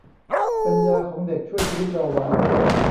ปัญญาของเด็กช่วยชีวิตเราไว้